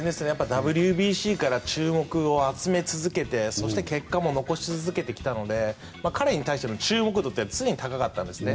ＷＢＣから注目を集め続けてそして結果も残し続けてきたので彼に対しての注目度は常に高かったんですね。